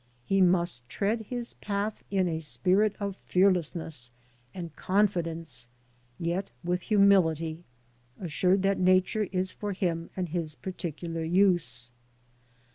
He must tread his path in a spirit of fearlessness and confidence, yet with humility, assured that Nature is for him and his particular use.